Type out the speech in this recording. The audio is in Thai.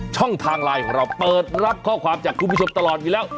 ช่องทางไลน์ของเราเปิดรับข้อความจากคุณผู้ชมตลอดอยู่แล้ว